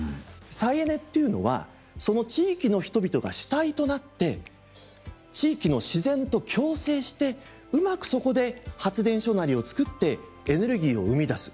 再エネっていうのはその地域の人々が主体となって地域の自然と共生してうまくそこで発電所なりをつくってエネルギーを生み出す。